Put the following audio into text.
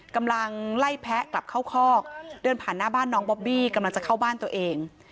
กำลังไล่แพ้กลับเข้าคอกเดินผ่านหน้าบ้านน้องบอบบี้กำลังจะเข้าบ้านตัวเอง